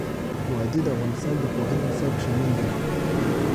وادي د افغانستان د پوهنې نصاب کې شامل دي.